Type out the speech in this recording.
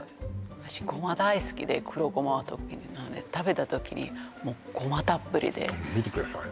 私ゴマ大好きで黒ゴマは特になので食べた時にもうゴマたっぷりで見てください